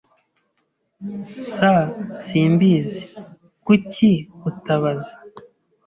S Simbizi. Kuki utabaza ?